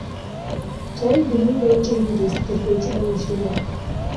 Цой — билими боюнча юрист, тергөөчү болуп иштеген.